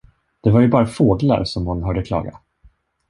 De var ju bara fåglar, som hon hörde klaga.